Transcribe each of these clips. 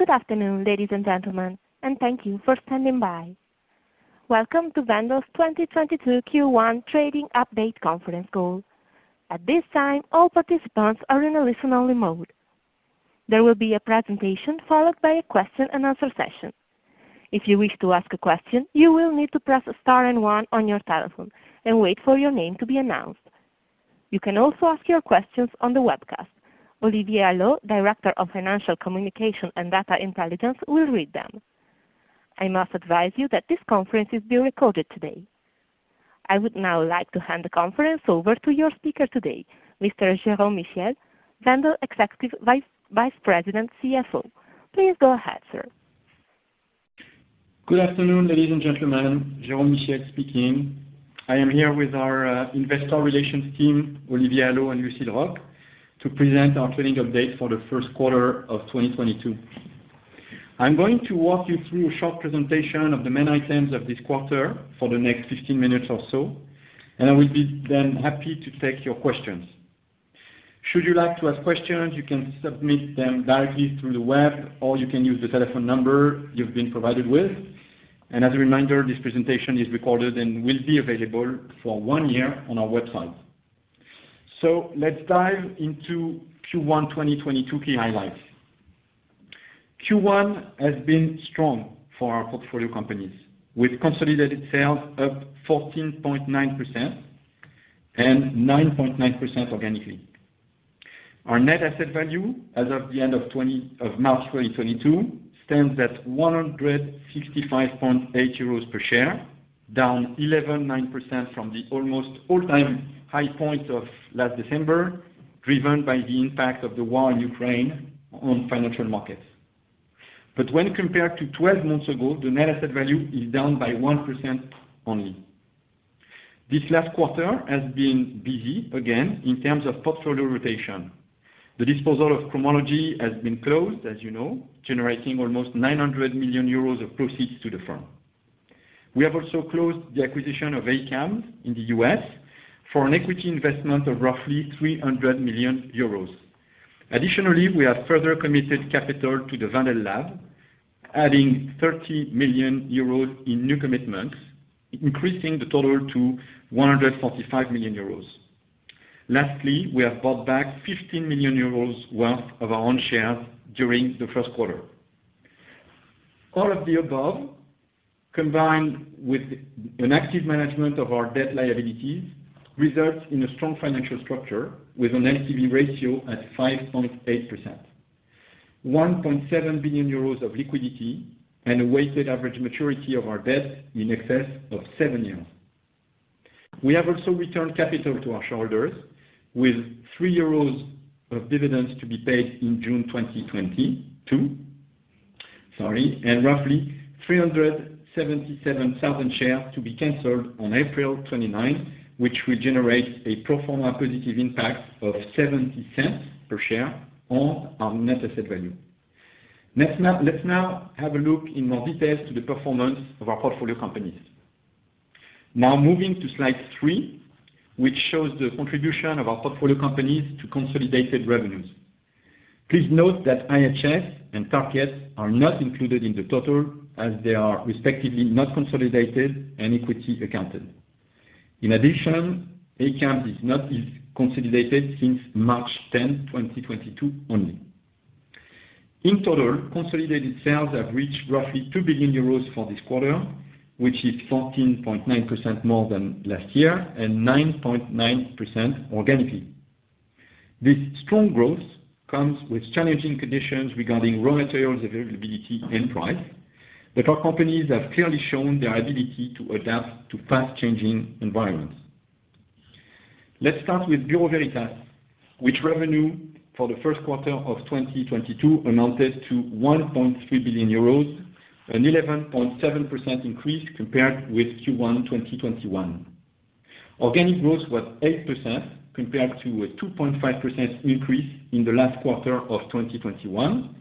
Good afternoon, ladies and gentlemen, and thank you for standing by. Welcome to Wendel 2022 Q1 trading update conference call. At this time, all participants are in a listen only mode. There will be a presentation followed by a question and answer session. If you wish to ask a question, you will need to press Star and One on your telephone and wait for your name to be announced. You can also ask your questions on the webcast. Olivier Allot, Director of Financial Communication and Data Intelligence will read them. I must advise you that this conference is being recorded today. I would now like to hand the conference over to your speaker today, Mr. Jérôme Michiels, Wendel Executive Vice President CFO. Please go ahead, sir. Good afternoon, ladies and gentlemen. Jérôme Michiels speaking. I am here with our investor relations team, Olivier Allot and Lucile Roch, to present our trading update for the first quarter of 2022. I'm going to walk you through a short presentation of the main items of this quarter for the next 15 minutes or so, and I will be then happy to take your questions. Should you like to ask questions, you can submit them directly through the web, or you can use the telephone number you've been provided with. As a reminder, this presentation is recorded and will be available for one year on our website. Let's dive into Q1 2022 key highlights. Q1 has been strong for our portfolio companies with consolidated sales up 14.9% and 9.9% organically. Our net asset value as of the end of March 2022 stands at 165.8 euros per share, down 11.9% from the almost all-time high point of last December, driven by the impact of the war in Ukraine on financial markets. When compared to 12 months ago, the net asset value is down by 1% only. This last quarter has been busy again in terms of portfolio rotation. The disposal of Cromology has been closed, as you know, generating almost 900 million euros of proceeds to the firm. We have also closed the acquisition of ACAMS in the U.S. for an equity investment of roughly 300 million euros. Additionally, we have further committed capital to the Wendel Lab, adding 30 million euros in new commitments, increasing the total to 145 million euros. Lastly, we have bought back 15 million euros worth of our own shares during the first quarter. All of the above, combined with an active management of our debt liabilities, results in a strong financial structure with an LTV ratio at 5.8%, 1.7 billion euros of liquidity, and a weighted average maturity of our debt in excess of 7 years. We have also returned capital to our shareholders with 3 euros of dividends to be paid in June 2022, sorry, and roughly 377,000 shares to be canceled on April 29th, which will generate a pro forma positive impact of 0.70 per share on our net asset value. Let's now have a look in more details to the performance of our portfolio companies. Now moving to slide 3, which shows the contribution of our portfolio companies to consolidated revenues. Please note that IHS and Tarkett are not included in the total as they are respectively not consolidated and equity accounted. In addition, ACAMS is not consolidated since March 10, 2022 only. In total, consolidated sales have reached roughly 2 billion euros for this quarter, which is 14.9% more than last year and 9.9% organically. This strong growth comes with challenging conditions regarding raw materials availability and price, but our companies have clearly shown their ability to adapt to fast changing environments. Let's start with Bureau Veritas, whose revenue for the first quarter of 2022 amounted to 1.3 billion euros, an 11.7% increase compared with Q1 2021. Organic growth was 8% compared to a 2.5% increase in the last quarter of 2021,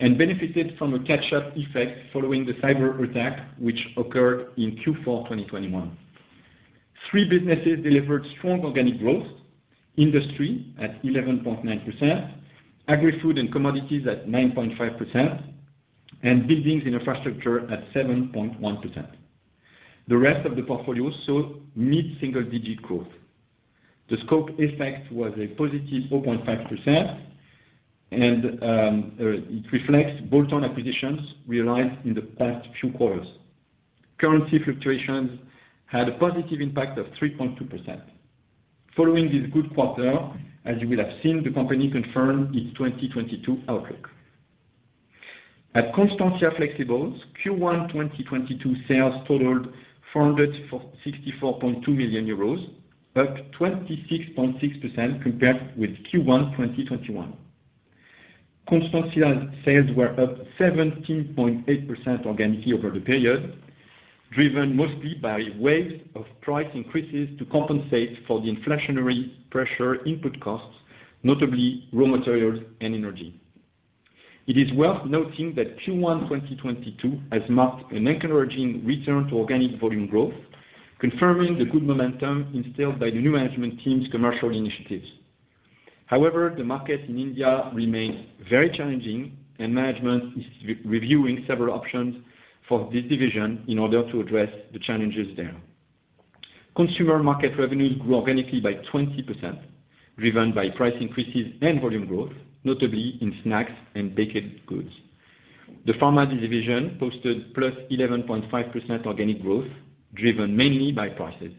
and benefited from a catch-up effect following the cyberattack which occurred in Q4 2021. Three businesses delivered strong organic growth. Industry at 11.9%, Agri-Food & Commodities at 9.5%, and Buildings & Infrastructure at 7.1%. The rest of the portfolio saw mid-single digit growth. The scope effect was a positive 4.5%, and it reflects bolt-on acquisitions realized in the past few quarters. Currency fluctuations had a positive impact of 3.2%. Following this good quarter, as you will have seen, the company confirmed its 2022 outlook. At Constantia Flexibles, Q1 2022 sales totaled 464.2 million euros, up 26.6% compared with Q1 2021. Constantia sales were up 17.8% organically over the period, driven mostly by waves of price increases to compensate for the inflationary pressure input costs, notably raw materials and energy. It is worth noting that Q1 2022 has marked an encouraging return to organic volume growth. Confirming the good momentum instilled by the new management team's commercial initiatives. However, the market in India remains very challenging and management is re-reviewing several options for this division in order to address the challenges there. Consumer market revenue grew organically by 20%, driven by price increases and volume growth, notably in snacks and baked goods. The pharma division posted +11.5% organic growth, driven mainly by prices.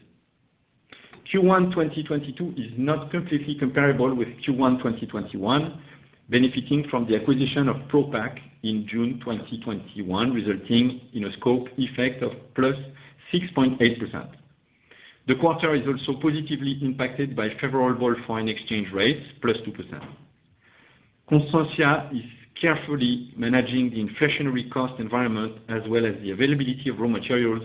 Q1 2022 is not completely comparable with Q1 2021, benefiting from the acquisition of Propak in June 2021, resulting in a scope effect of +6.8%. The quarter is also positively impacted by favorable foreign exchange rates, +2%. Constantia is carefully managing the inflationary cost environment as well as the availability of raw materials,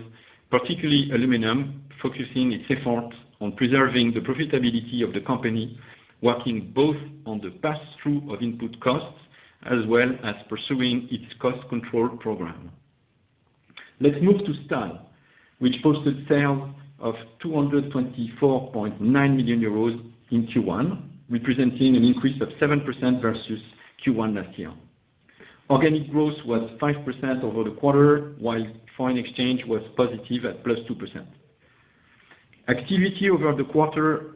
particularly aluminum, focusing its efforts on preserving the profitability of the company, working both on the pass-through of input costs, as well as pursuing its cost control program. Let's move to Stahl, which posted sales of 224.9 million euros in Q1, representing an increase of 7% versus Q1 last year. Organic growth was 5% over the quarter, while foreign exchange was positive at +2%. Activity over the quarter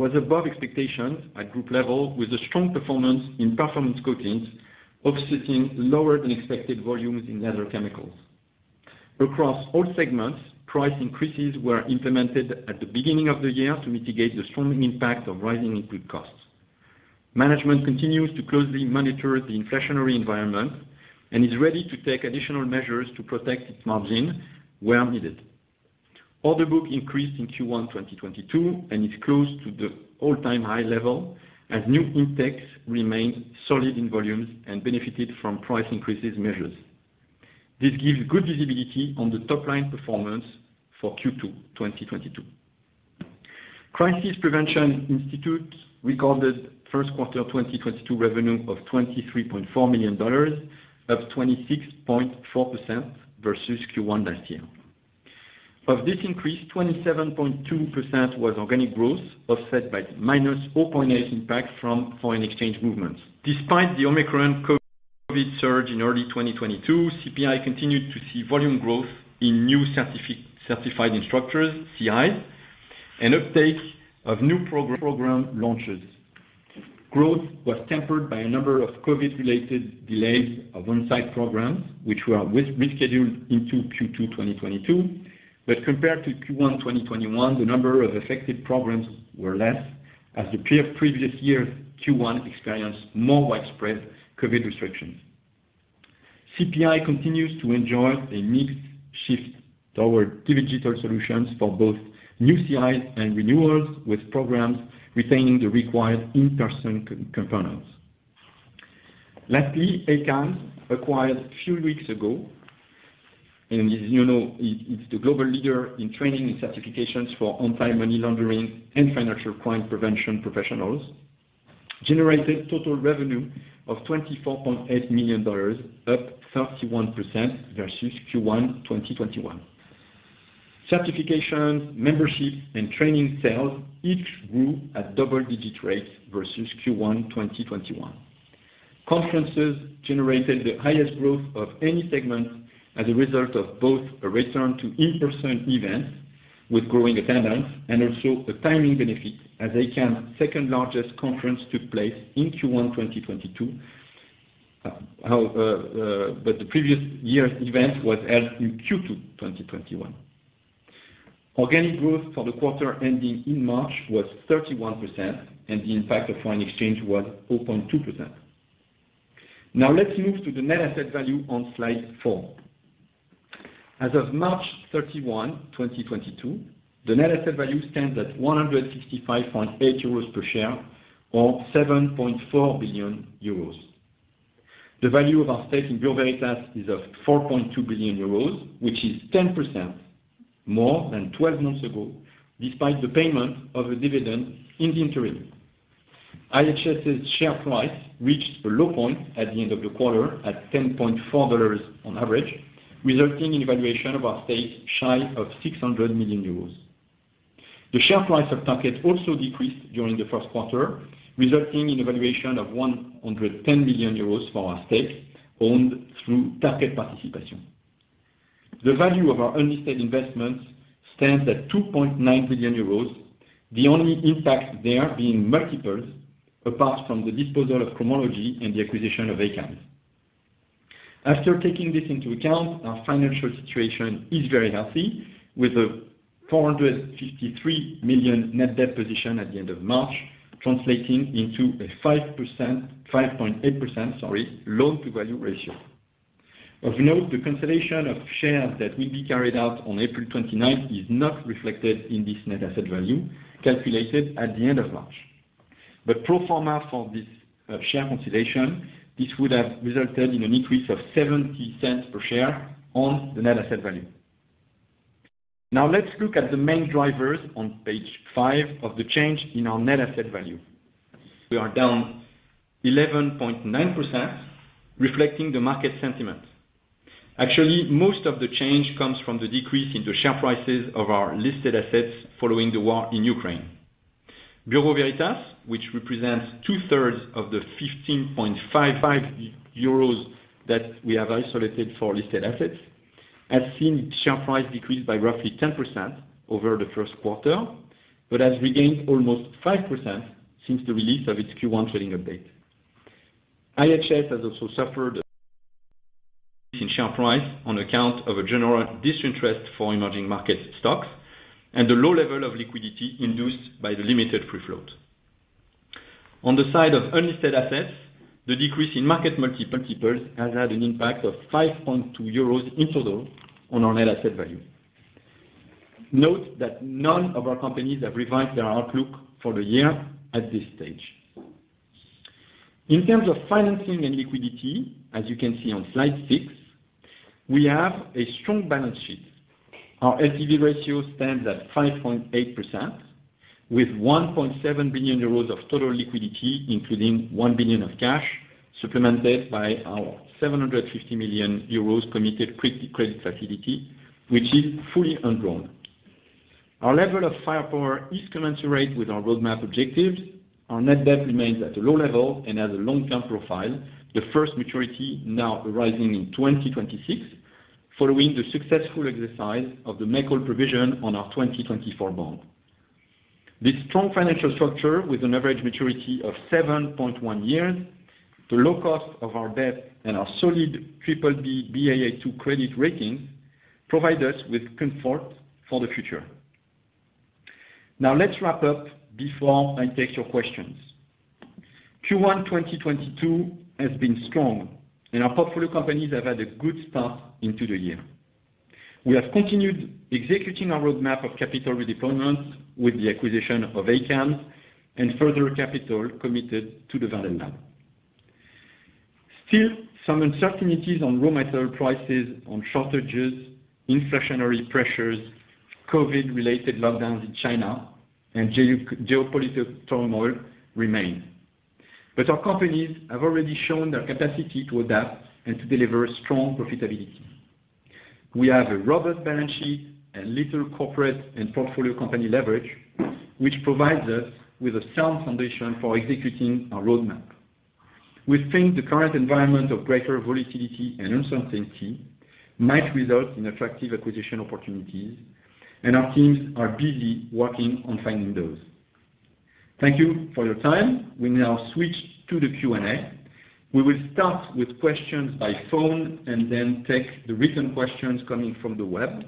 was above expectations at group level, with a strong performance in Performance Coatings offsetting lower than expected volumes in Leather Chemicals. Across all segments, price increases were implemented at the beginning of the year to mitigate the strong impact of rising input costs. Management continues to closely monitor the inflationary environment and is ready to take additional measures to protect its margin where needed. Order book increased in Q1 2022 and is close to the all-time high level as new intakes remained solid in volumes and benefited from price increases measures. This gives good visibility on the top line performance for Q2 2022. Crisis Prevention Institute recorded first quarter 2022 revenue of $23.4 million, up 26.4% versus Q1 last year. Of this increase, 27.2% was organic growth, offset by -4.8 impact from foreign exchange movements. Despite the Omicron COVID surge in early 2022, CPI continued to see volume growth in new certified instructors, CIs, and uptake of new program launches. Growth was tempered by a number of COVID-related delays of on-site programs, which were rescheduled into Q2 2022. Compared to Q1 2021, the number of affected programs were less as the previous year's Q1 experienced more widespread COVID restrictions. CPI continues to enjoy a mixed shift toward digital solutions for both new CIs and renewals with programs retaining the required in-person components. Lastly, ACAMS, acquired a few weeks ago, and as you know, it's the global leader in training and certifications for anti-money laundering and financial crime prevention professionals, generated total revenue of $24.8 million, up 31% versus Q1 2021. Certification, membership, and training sales each grew at double-digit rates versus Q1 2021. Conferences generated the highest growth of any segment as a result of both a return to in-person events with growing attendance and also a timing benefit as ACAMS second-largest conference took place in Q1 2022. But the previous year's event was held in Q2 2021. Organic growth for the quarter ending in March was 31%, and the impact of foreign exchange was 4.2%. Now let's move to the net asset value on slide four. As of March 31, 2022, the net asset value stands at 165.8 euros per share or 7.4 billion euros. The value of our stake in Bureau Veritas is four point two billion euros, which is 10% more than 12 months ago, despite the payment of a dividend in the interim. IHS Towers's share price reached a low point at the end of the quarter at $10.4 on average, resulting in a valuation of our stake shy of 600 million euros. The share price of Tarkett also decreased during the first quarter, resulting in a valuation of 110 million euros for our stakes owned through Tarkett Participation. The value of our unlisted investments stands at 2.9 billion euros, the only impact there being multiples apart from the disposal of Cromology and the acquisition of ACAMS. After taking this into account, our financial situation is very healthy, with a 453 million net debt position at the end of March, translating into a 5.8%, sorry, loan-to-value ratio. Of note, the consolidation of shares that will be carried out on April 29th is not reflected in this net asset value calculated at the end of March. Pro forma for this, share consolidation, this would have resulted in an increase of 0.70 per share on the net asset value. Now let's look at the main drivers on page 5 of the change in our net asset value. We are down 11.9%, reflecting the market sentiment. Actually, most of the change comes from the decrease in the share prices of our listed assets following the war in Ukraine. Bureau Veritas, which represents two-thirds of the 15.55 euros that we have isolated for listed assets, has seen share price decrease by roughly 10% over the first quarter, but has regained almost 5% since the release of its Q1 trading update. IHS has also suffered in share price on account of a general disinterest for emerging market stocks and the low level of liquidity induced by the limited free float. On the side of unlisted assets, the decrease in market multiples has had an impact of 5.2 euros in total on our net asset value. Note that none of our companies have revised their outlook for the year at this stage. In terms of financing and liquidity, as you can see on slide 6, we have a strong balance sheet. Our LTV ratio stands at 5.8%, with 1.7 billion euros of total liquidity, including 1 billion of cash, supplemented by our 750 million euros committed revolving credit facility, which is fully undrawn. Our level of firepower is commensurate with our roadmap objectives. Our net debt remains at a low level and has a long-term profile, the first maturity now arising in 2026 following the successful exercise of the make-whole provision on our 2024 bond. This strong financial structure with an average maturity of 7.1 years, the low cost of our debt, and our solid BBB, BAA2 credit rating provide us with comfort for the future. Now let's wrap up before I take your questions. Q1 2022 has been strong, and our portfolio companies have had a good start into the year. We have continued executing our roadmap of capital redeployments with the acquisition of ACAMS and further capital committed to the Wendel. Still, some uncertainties on raw material prices, on shortages, inflationary pressures, COVID-related lockdowns in China, and geopolitical turmoil remain. Our companies have already shown their capacity to adapt and to deliver strong profitability. We have a robust balance sheet and little corporate and portfolio company leverage, which provides us with a sound foundation for executing our roadmap. We think the current environment of greater volatility and uncertainty might result in attractive acquisition opportunities, and our teams are busy working on finding those. Thank you for your time. We now switch to the Q&A. We will start with questions by phone and then take the written questions coming from the web.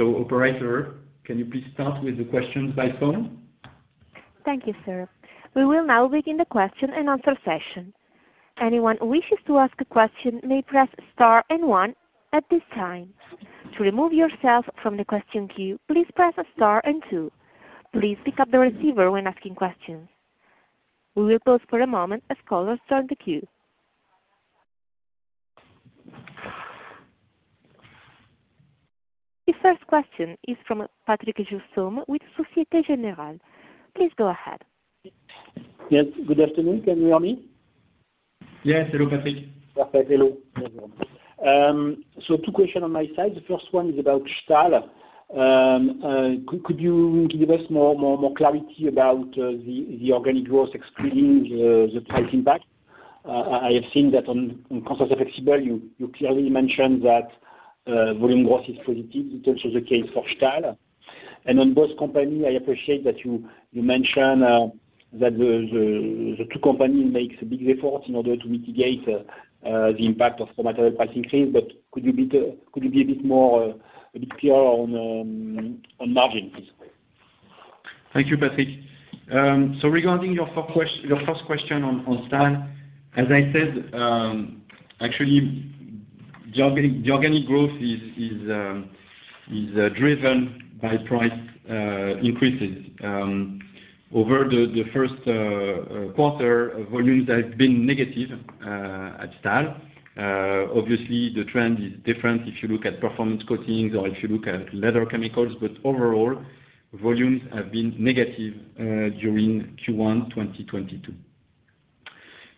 Operator, can you please start with the questions by phone? Thank you, sir. We will now begin the question and answer session. Anyone who wishes to ask a question may press star and one at this time. To remove yourself from the question queue, please press star and two. Please pick up the receiver when asking questions. We will pause for a moment as callers join the queue. The first question is from Patrick Jousseaume with Société Générale. Please go ahead. Yes, good afternoon. Can you hear me? Yes. Hello, Patrick. Patrick, hello, everyone. So two questions on my side. The first one is about Stahl. Could you give us more clarity about the organic growth excluding the price impact? I have seen that on Constantia Flexibles, you clearly mentioned that volume growth is positive. It's also the case for Stahl. On both companies, I appreciate that you mentioned that the two companies make a big effort in order to mitigate the impact of raw material pricing increase. But could you be a bit clearer on margin, please? Thank you, Patrick. Regarding your first question on Stahl, as I said, actually, the organic growth is driven by price increases. Over the first quarter, volumes have been negative at Stahl. Obviously the trend is different if you look at Performance Coatings or if you look at Leather Chemicals. Overall, volumes have been negative during Q1 2022.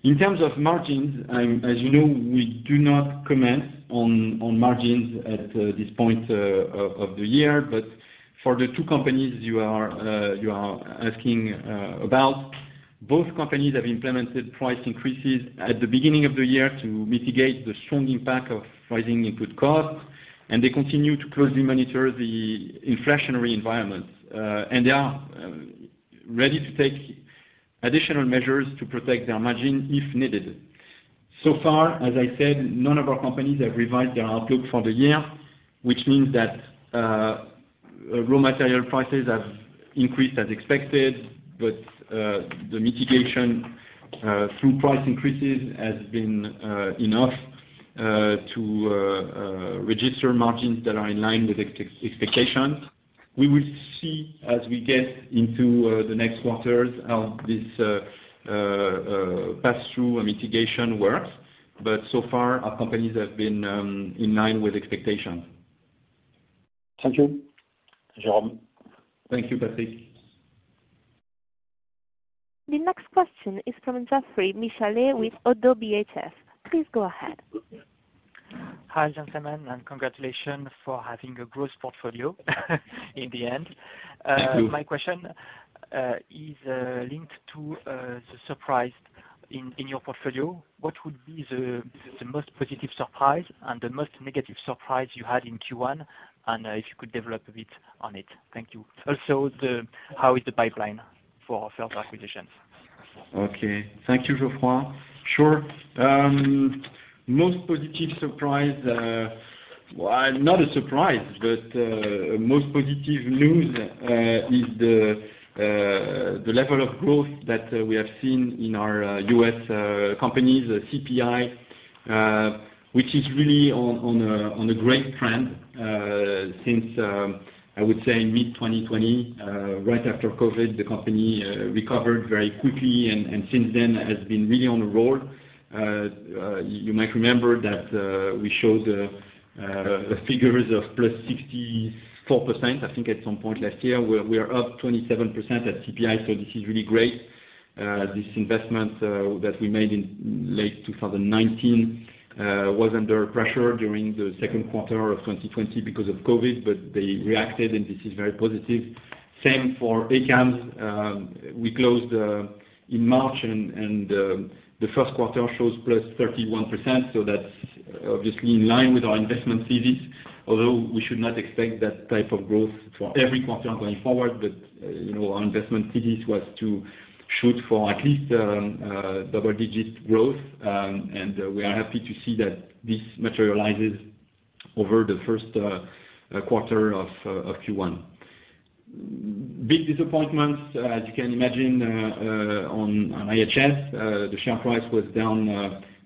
In terms of margins, as you know, we do not comment on margins at this point of the year. For the two companies you are asking about, both companies have implemented price increases at the beginning of the year to mitigate the strong impact of rising input costs. They continue to closely monitor the inflationary environment. They are ready to take additional measures to protect their margin if needed. So far, as I said, none of our companies have revised their outlook for the year, which means that raw material prices have increased as expected, but the mitigation through price increases has been enough to register margins that are in line with expectations. We will see as we get into the next quarters how this pass-through mitigation works. So far, our companies have been in line with expectations. Thank you. Thank you, Patrick. The next question is from Geoffroy Michalet with ODDO BHF. Please go ahead. Hi, gentlemen, and congratulations for having a growth portfolio in the end. Thank you. My question is linked to the surprise in your portfolio. What would be the most positive surprise and the most negative surprise you had in Q1? If you could develop a bit on it. Thank you. Also, how is the pipeline for further acquisitions? Okay. Thank you, Geoffroy. Sure. Most positive surprise, well, not a surprise, but most positive news is the level of growth that we have seen in our US companies, CPI, which is really on a great trend since I would say mid-2020. Right after COVID, the company recovered very quickly and since then has been really on a roll. You might remember that we showed figures of +64%, I think, at some point last year. We are up 27% at CPI, so this is really great. This investment that we made in late 2019 was under pressure during the second quarter of 2020 because of COVID, but they reacted, and this is very positive. Same for ACAMS. We closed in March and the first quarter shows +31%, so that's obviously in line with our investment thesis. Although we should not expect that type of growth for every quarter going forward. You know, our investment thesis was to shoot for at least double-digit growth and we are happy to see that this materializes over the first quarter of Q1. Big disappointments, as you can imagine, on IHS. The share price was down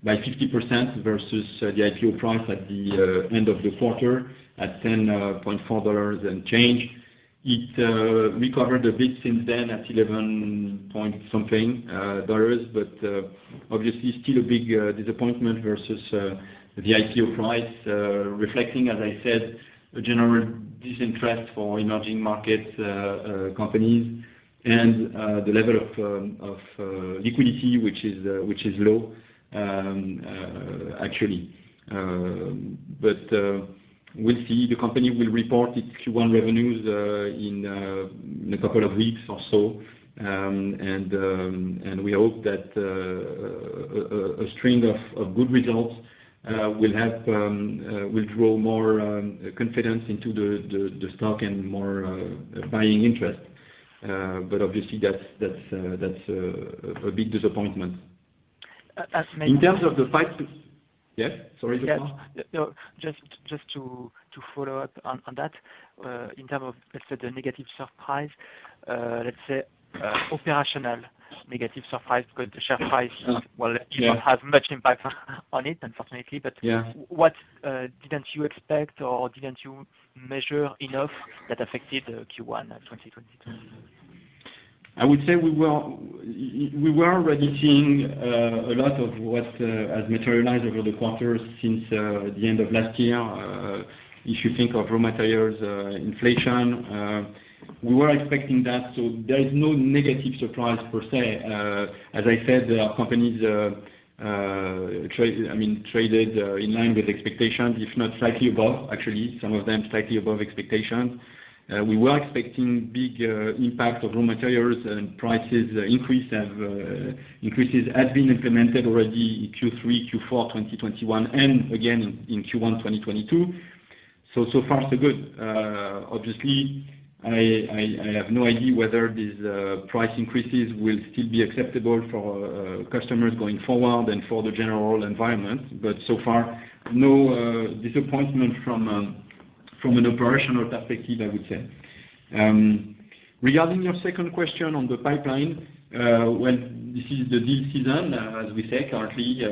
by 50% versus the IPO price at the end of the quarter at $10.4 and change. It recovered a bit since then at $11.something, but obviously still a big disappointment versus the IPO price. Reflecting, as I said, a general disinterest for emerging markets, companies and the level of liquidity, which is low, actually. We'll see. The company will report its Q1 revenues in a couple of weeks or so. We hope that a string of good results will draw more confidence into the stock and more buying interest. Obviously that's a big disappointment. As- Yes, sorry, Geoffroy. No, just to follow up on that. In terms of, let's say, the negative surprise, let's say, operational negative surprise, because the share price. Yeah. Will even have much impact on it, unfortunately. Yeah. What didn't you expect, or didn't you measure enough that affected Q1 of 2022? I would say we were already seeing a lot of what has materialized over the quarter since the end of last year. If you think of raw materials inflation, we were expecting that. There is no negative surprise per se. As I said, our companies traded in line with expectations, if not slightly above. Actually, some of them slightly above expectations. We were expecting big impact of raw materials and price increases had been implemented already in Q3, Q4 2021, and again in Q1 2022. So far, so good. Obviously, I have no idea whether these price increases will still be acceptable for customers going forward and for the general environment. So far, no disappointment from an operational perspective, I would say. Regarding your second question on the pipeline, well, this is the deal season, as we say currently.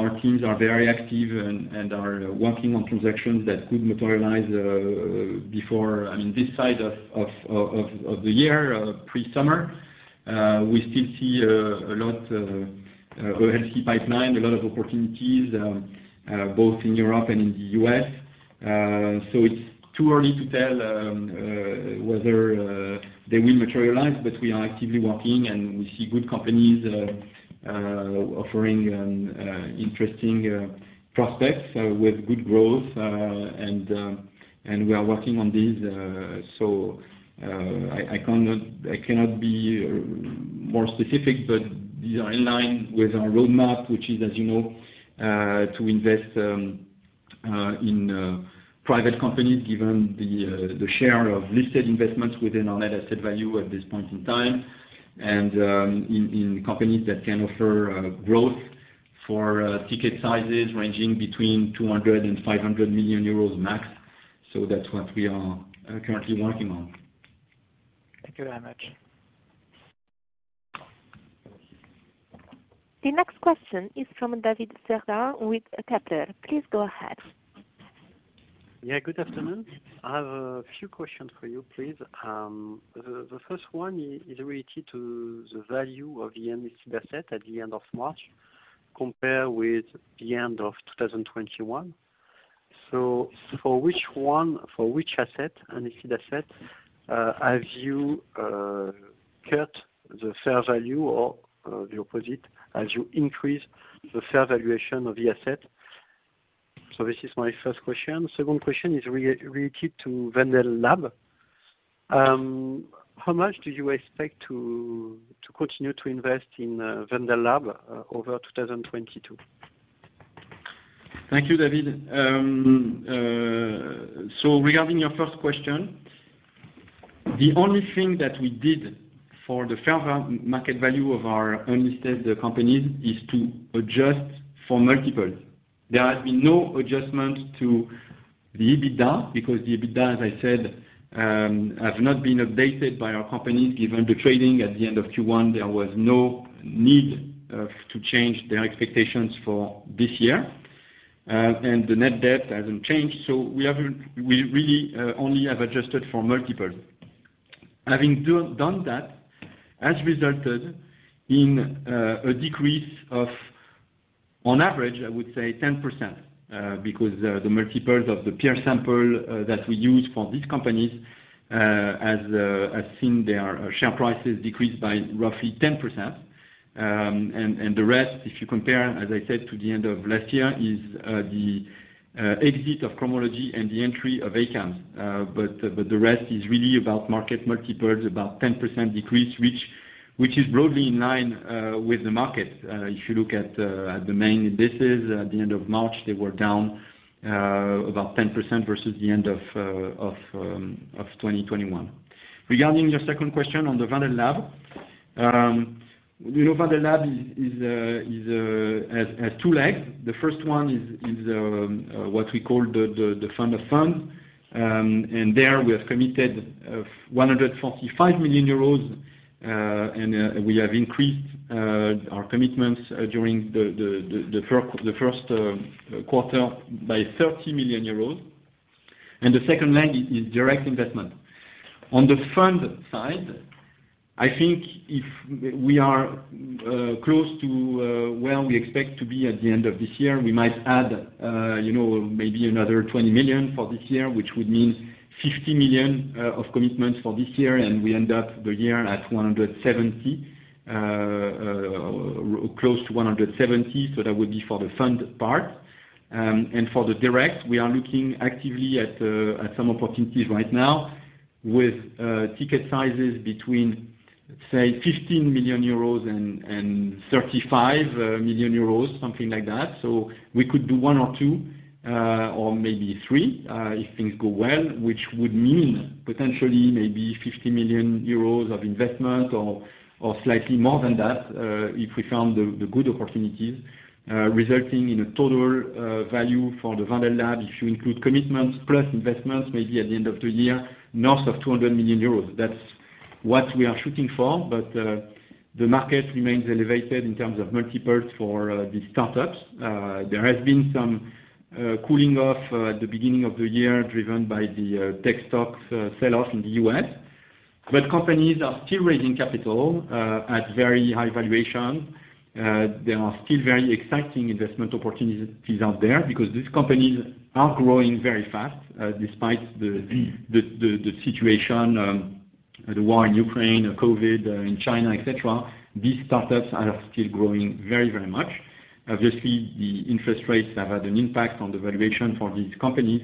Our teams are very active and are working on transactions that could materialize before, I mean, this side of the year, pre-summer. We still see a lot of healthy pipeline, a lot of opportunities both in Europe and in the US. It's too early to tell whether they will materialize, but we are actively working, and we see good companies offering interesting prospects with good growth, and we are working on this. I cannot be more specific, but these are in line with our roadmap, which is, as you know, to invest in private companies, given the share of listed investments within our net asset value at this point in time, in companies that can offer growth for ticket sizes ranging between 200 million euros and 500 million euros max. That's what we are currently working on. Thank you very much. The next question is from David Cerdan with Kepler Cheuvreux. Please go ahead. Yeah, good afternoon. I have a few questions for you, please. The first one is related to the value of the unlisted asset at the end of March compared with the end of 2021. For which unlisted asset have you cut the fair value or the opposite, as you increase the fair valuation of the asset? This is my first question. Second question is related to Wendel Lab. How much do you expect to continue to invest in Wendel Lab over 2022? Thank you, David. Regarding your first question, the only thing that we did for the fair value market value of our unlisted companies is to adjust for multiples. There has been no adjustment to the EBITDA because the EBITDA, as I said, have not been updated by our companies. Given the trading at the end of Q1, there was no need to change their expectations for this year. The net debt hasn't changed, so we haven't. We really only have adjusted for multiples. Having done that has resulted in a decrease of, on average, I would say 10%, because the multiples of the peer sample that we use for these companies has seen their share prices decrease by roughly 10%. The rest, if you compare, as I said to the end of last year, is the exit of Cromology and the entry of ACAMS. The rest is really about market multiples, about 10% decrease, which is broadly in line with the market. If you look at the main indices, at the end of March, they were down about 10% versus the end of 2021. Regarding your second question on the Wendel Lab, you know, Wendel Lab is has two legs. The first one is what we call the fund of funds. There we have committed 145 million euros, and we have increased our commitments during the first quarter by 30 million euros. The second leg is direct investment. On the fund side, I think if we are close to where we expect to be at the end of this year, we might add, you know, maybe another 20 million for this year, which would mean 50 million of commitments for this year. We end up the year at 170, close to 170. That would be for the fund part. For the direct, we are looking actively at some opportunities right now with ticket sizes between, say, 15 million euros and 35 million euros, something like that. We could do one or two, or maybe three, if things go well, which would mean potentially maybe 50 million euros of investment or slightly more than that, if we found the good opportunities, resulting in a total value for the Wendel Lab, if you include commitments plus investments, maybe at the end of the year, north of 200 million euros. That's what we are shooting for. The market remains elevated in terms of multiples for these startups. There has been some cooling off at the beginning of the year, driven by the tech stocks sell-off in the U.S. Companies are still raising capital at very high valuation. There are still very exciting investment opportunities out there because these companies are growing very fast, despite the situation, the war in Ukraine, COVID in China, et cetera. These startups are still growing very, very much. Obviously, the interest rates have had an impact on the valuation for these companies.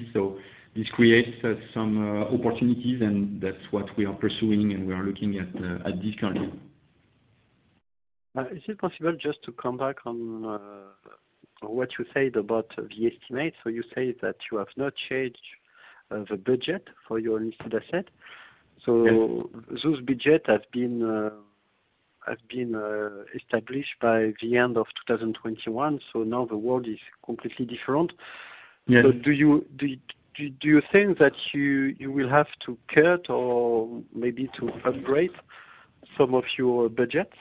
This creates some opportunities, and that's what we are pursuing, and we are looking at this currently. Is it possible just to come back on what you said about the estimates? You say that you have not changed the budget for your unlisted asset. Yes. Those budgets have been established by the end of 2021. Now the world is completely different. Yes. Do you think that you will have to cut or maybe to upgrade some of your budgets?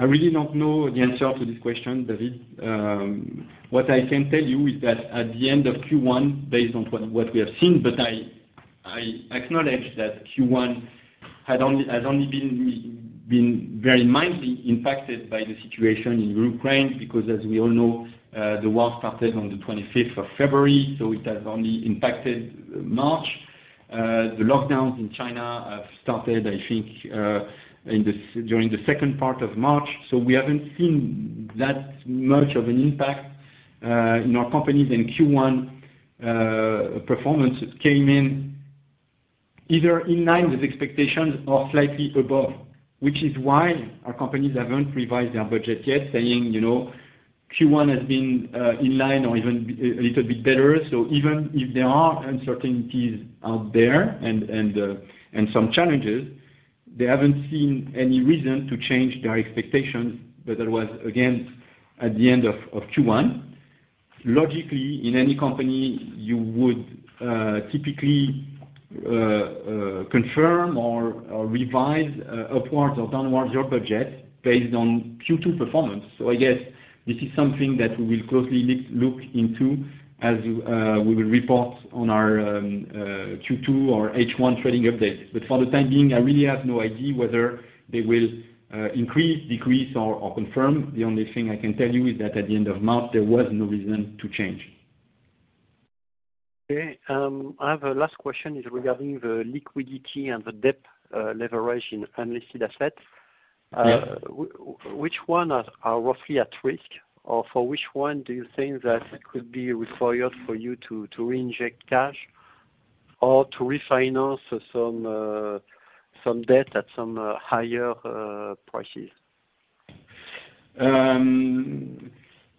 I really don't know the answer to this question, David. What I can tell you is that at the end of Q1, based on what we have seen, I acknowledge that Q1 has only been very mildly impacted by the situation in Ukraine, because as we all know, the war started on the twenty-fifth of February, so it has only impacted March. The lockdowns in China have started, I think, during the second part of March. We haven't seen that much of an impact in our companies in Q1, performance came in either in line with expectations or slightly above, which is why our companies haven't revised their budget yet, saying, you know, Q1 has been in line or even a little bit better. Even if there are uncertainties out there and some challenges, they haven't seen any reason to change their expectations. That was, again, at the end of Q1. Logically, in any company, you would typically confirm or revise upwards or downwards your budget based on Q2 performance. I guess this is something that we will closely look into as we will report on our Q2 or H1 trading update. For the time being, I really have no idea whether they will increase, decrease, or confirm. The only thing I can tell you is that at the end of March, there was no reason to change. I have a last question is regarding the liquidity and the debt, leverage in unlisted assets. Yes. Which one are roughly at risk, or for which one do you think that it could be required for you to reinject cash or to refinance some debt at some higher prices?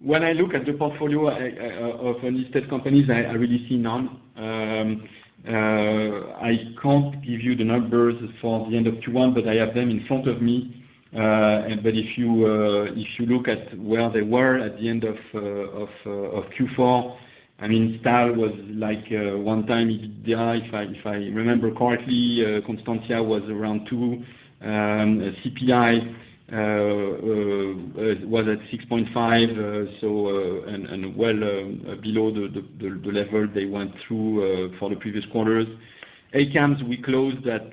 When I look at the portfolio of unlisted companies, I really see none. I can't give you the numbers for the end of Q1, but I have them in front of me. If you look at where they were at the end of Q4, I mean, Stahl was like 1x EBITDA, if I remember correctly. Constantia was around 2x. CPI was at 6.5x, and well below the level they went through for the previous quarters. ACAMS, we closed that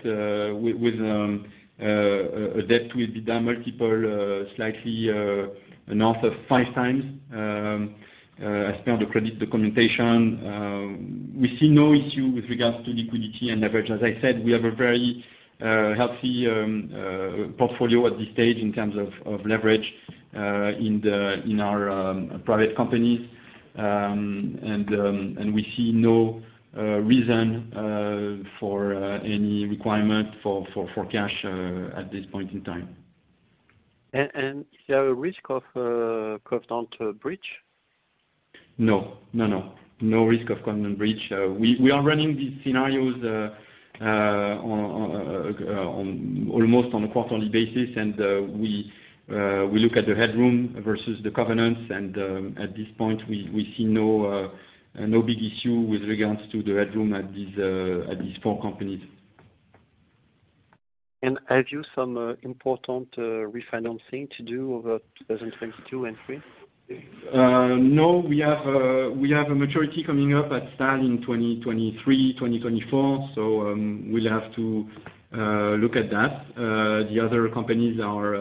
with a debt-to EBITDA multiple slightly north of 5x as per the credit documentation. We see no issue with regards to liquidity and leverage. As I said, we have a very healthy portfolio at this stage in terms of leverage in our private companies. We see no reason for any requirement for cash at this point in time. Is there a risk of covenant breach? No. No, no. No risk of covenant breach. We are running these scenarios on almost a quarterly basis, and we look at the headroom versus the covenants. At this point, we see no big issue with regards to the headroom at these four companies. Have you some important refinancing to do over 2022 and 2023? No. We have a maturity coming up at Stahl in 2023-2024, so we'll have to look at that. The other companies are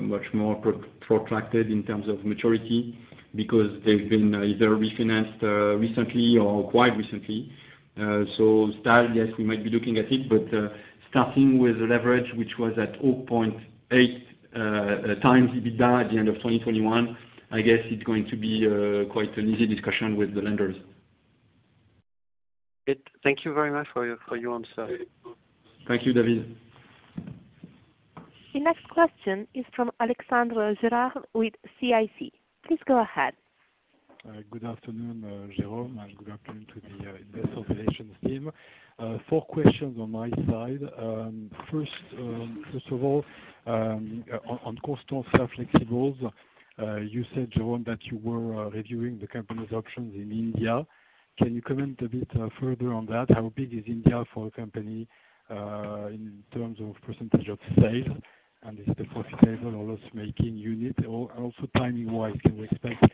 much more protracted in terms of maturity because they've been either refinanced recently or quite recently. Stahl, yes, we might be looking at it. Starting with the leverage, which was at 0.8x EBITDA at the end of 2021, I guess it's going to be quite an easy discussion with the lenders. Thank you very much for your answer. Thank you, David. The next question is from Alexandre Gérard with CIC. Please go ahead. Good afternoon, Jérôme, and good afternoon to the investor relations team. Four questions on my side. First of all, on Constantia Flexibles, you said, Jérôme, that you were reviewing the company's options in India. Can you comment a bit further on that? How big is India for a company in terms of percentage of sales? Is it a profitable or loss-making unit? Also timing-wise, can we expect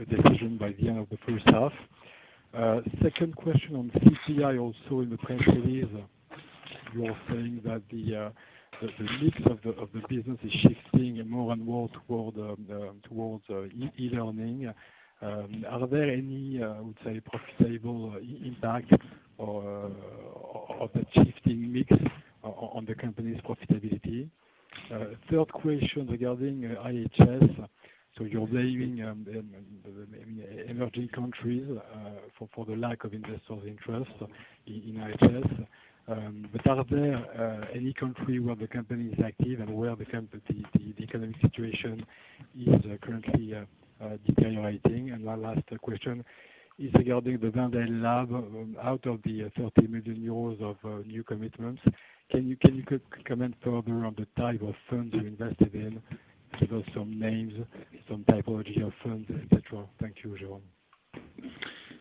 a decision by the end of the first half? Second question on CPI also in the countries. You are saying that the mix of the business is shifting more and more toward e-learning. Are there any, I would say profitability impact of the shifting mix on the company's profitability? Third question regarding IHS. You're blaming the emerging countries for the lack of investor's interest in IHS. Are there any country where the company is active and where the economic situation is currently deteriorating? My last question is regarding the Wendel Lab. Out of the 30 million euros of new commitments, can you comment further on the type of funds you invested in? Give us some names, some typology of funds, et cetera. Thank you, Jérôme.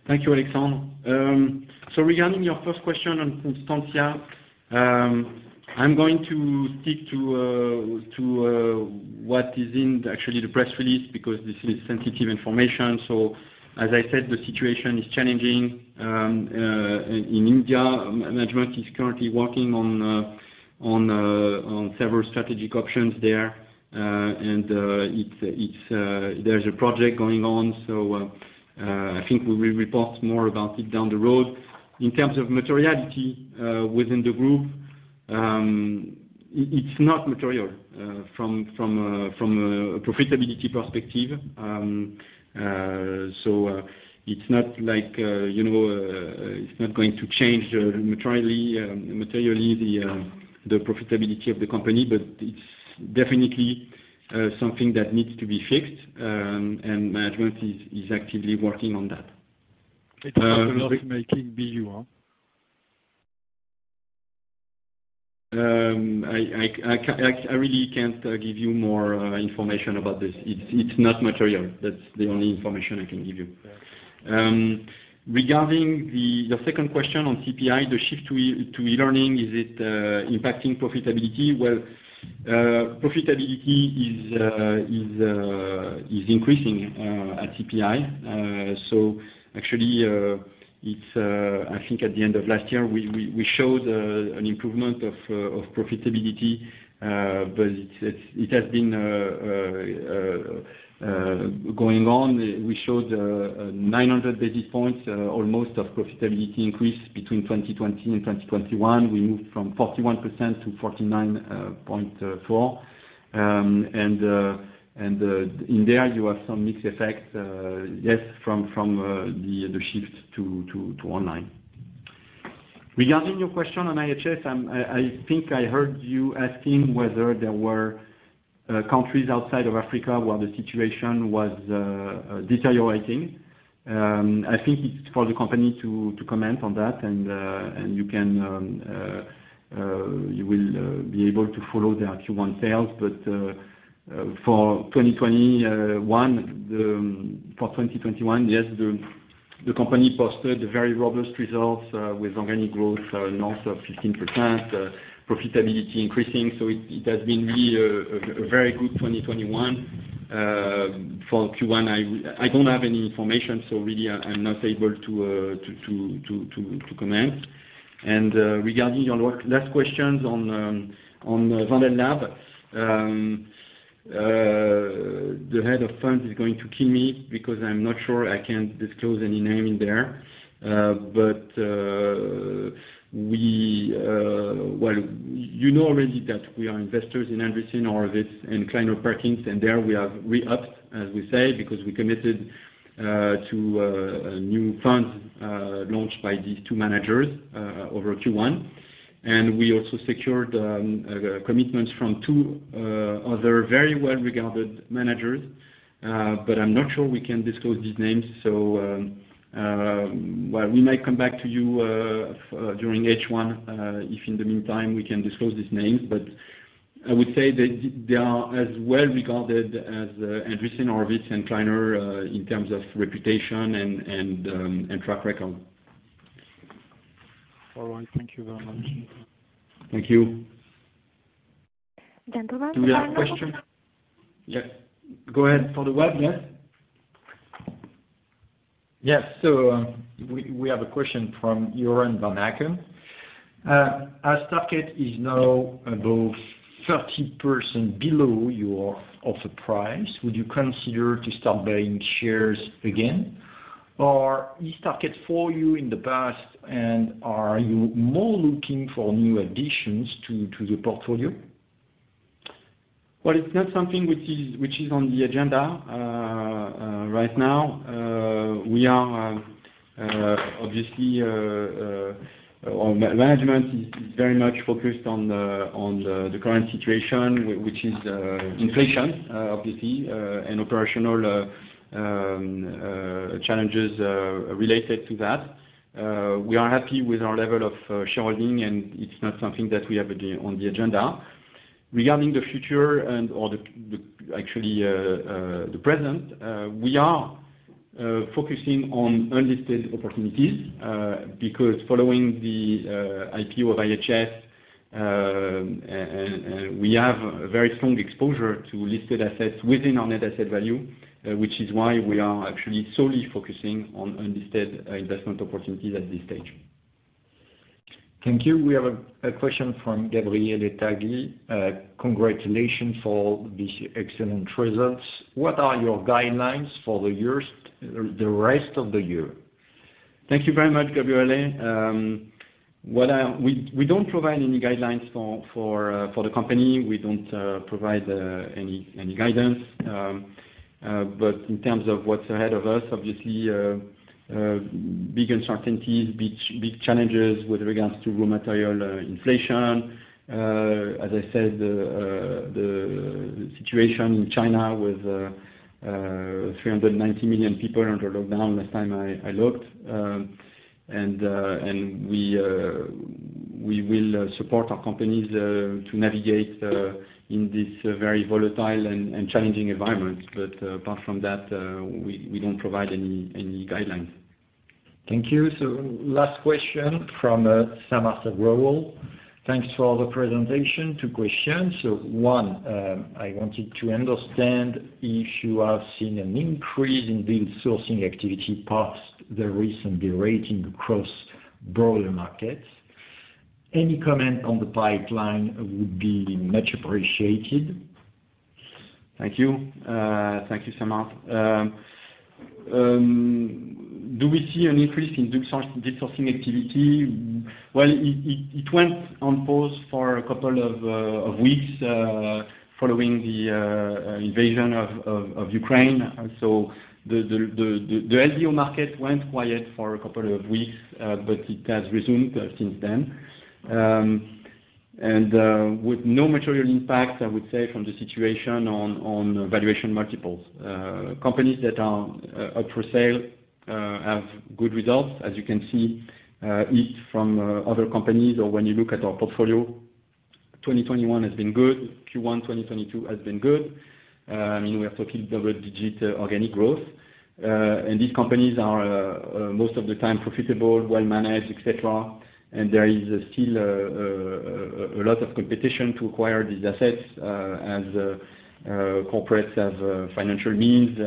Thank you, Alexandre. Regarding your first question on Constantia, I'm going to stick to what is actually in the press release because this is sensitive information. As I said, the situation is challenging in India. Management is currently working on several strategic options there. There's a project going on, so I think we will report more about it down the road. In terms of materiality within the group, it's not material from a profitability perspective. It's not like, you know, it's not going to change materially the profitability of the company. It's definitely something that needs to be fixed, and management is actively working on that. It's not a loss-making BU, huh? I really can't give you more information about this. It's not material. That's the only information I can give you. Regarding the second question on CPI, the shift to e-learning, is it impacting profitability? Well, profitability is increasing at CPI. So actually, it's, I think at the end of last year, we showed an improvement of profitability. But it has been going on. We showed 900 basis points almost of profitability increase between 2020 and 2021. We moved from 41% to 49.4%. And in there you have some mixed effects, yes, from the shift to online. Regarding your question on IHS Towers, I think I heard you asking whether there were countries outside of Africa where the situation was deteriorating. I think it's for the company to comment on that and you will be able to follow their Q1 sales. For 2021, yes, the company posted very robust results with organic growth north of 15%, profitability increasing, so it has been really a very good 2021. For Q1, I don't have any information, so really I'm not able to comment. Regarding your last questions on Wendel Lab, the head of funds is going to kill me because I'm not sure I can disclose any name in there. Well, you know already that we are investors in Andreessen Horowitz and Kleiner Perkins, and there we have re-upped, as we say, because we committed to a new fund launched by these two managers over Q1. We also secured commitments from two other very well-regarded managers. But I'm not sure we can disclose these names. Well, we might come back to you during H1, if in the meantime, we can disclose these names. I would say they are as well-regarded as Andreessen Horowitz and Kleiner Perkins in terms of reputation and track record. All right. Thank you very much. Thank you. Do we have a question? Yes. Go ahead for the web, yes. Yes, we have a question from Joren Van Aken. As Tarkett is now above 30% below your offer price, would you consider to start buying shares again? Or is Tarkett for you in the past, and are you more looking for new additions to the portfolio? Well, it's not something which is on the agenda right now. We are obviously our management is very much focused on the current situation, which is inflation obviously and operational challenges related to that. We are happy with our level of shareholding, and it's not something that we have on the agenda. Regarding the future and/or the, actually, the present, we are focusing on unlisted opportunities because following the IPO of IHS, we have a very strong exposure to listed assets within our net asset value, which is why we are actually solely focusing on unlisted investment opportunities at this stage. Thank you. We have a question from Gabriele Esperdy. Congratulations for this excellent results. What are your guidelines for the rest of the year? Thank you very much, Gabrielle. We don't provide any guidelines for the company. We don't provide any guidance. In terms of what's ahead of us, obviously, big uncertainties, big challenges with regards to raw material inflation. As I said, the situation in China with 390 million people under lockdown last time I looked. We will support our companies to navigate in this very volatile and challenging environment. Apart from that, we don't provide any guidelines. Thank you. Last question from Samar Sarda. Thanks for the presentation. Two questions. One, I wanted to understand if you have seen an increase in deal sourcing activity post the recent derating across broader markets. Any comment on the pipeline would be much appreciated. Thank you. Thank you, Samar. Do we see an increase in deal sourcing activity? Well, it went on pause for a couple of weeks following the invasion of Ukraine. The LBO market went quiet for a couple of weeks, but it has resumed since then. With no material impact, I would say, from the situation on valuation multiples. Companies that are up for sale have good results, as you can see it from other companies or when you look at our portfolio. 2021 has been good. Q1 2022 has been good. I mean, we are talking double-digit organic growth. These companies are most of the time profitable, well-managed, et cetera. There is still a lot of competition to acquire these assets, as corporates have financial means,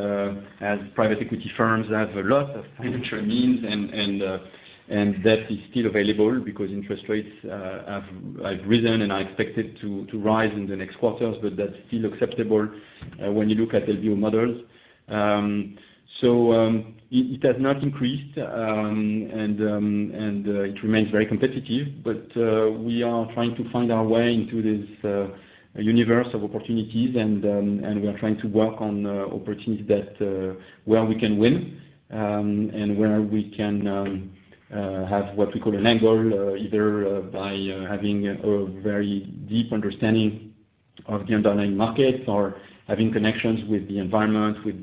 as private equity firms have a lot of financial means. That is still available because interest rates have risen, and are expected to rise in the next quarters. That's still acceptable when you look at LBO models. It has not increased. It remains very competitive. We are trying to find our way into this universe of opportunities and we are trying to work on opportunities that where we can win, and where we can have what we call an angle. Either by having a very deep understanding of the underlying markets or having connections with the environment, with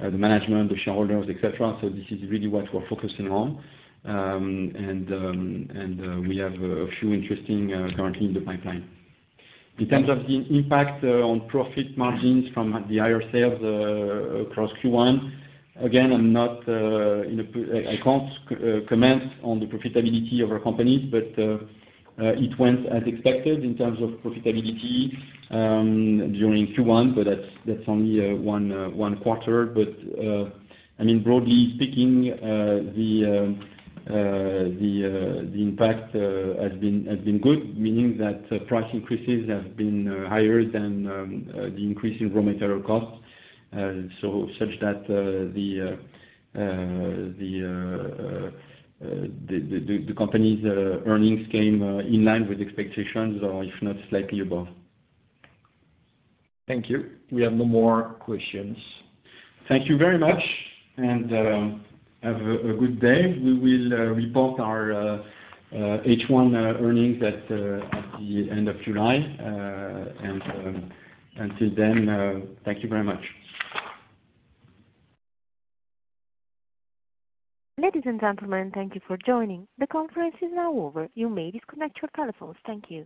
the management, the shareholders, et cetera. This is really what we're focusing on. We have a few interesting currently in the pipeline. In terms of the impact on profit margins from the higher sales across Q1, again, I can't comment on the profitability of our companies. It went as expected in terms of profitability during Q1, but that's only one quarter. I mean, broadly speaking, the impact has been good, meaning that price increases have been higher than the increase in raw material costs. That the company's earnings came in line with expectations or, if not, slightly above. Thank you. We have no more questions. Thank you very much and have a good day. We will report our H1 earnings at the end of July. Until then, thank you very much. Ladies and gentlemen, thank you for joining. The conference is now over. You may disconnect your telephones. Thank you.